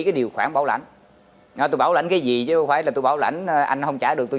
cái điều khoản bảo lãnh tôi bảo lãnh cái gì chứ không phải là tôi bảo lãnh anh nó không trả được tôi